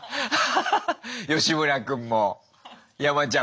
吉村君も山ちゃんも。